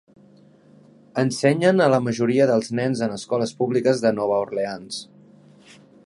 Ensenyen a la majoria dels nens en escoles públiques de Nova Orleans.